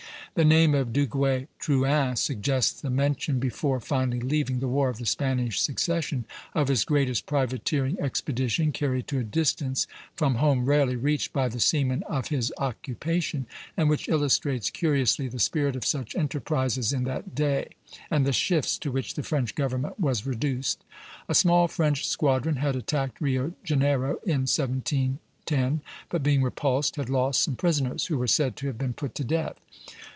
The name of Duguay Trouin suggests the mention, before finally leaving the War of the Spanish Succession, of his greatest privateering expedition, carried to a distance from home rarely reached by the seamen of his occupation, and which illustrates curiously the spirit of such enterprises in that day, and the shifts to which the French government was reduced. A small French squadron had attacked Rio Janeiro in 1710, but being repulsed, had lost some prisoners, who were said to have been put to death.